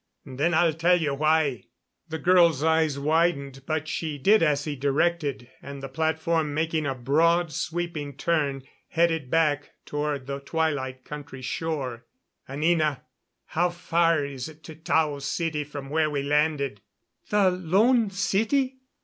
Then I'll tell you why." The girl's eyes widened, but she did as he directed, and the platform, making a broad, sweeping turn, headed back toward the Twilight Country shore. "Anina, how far is it to Tao's city from where we landed?" "The Lone City?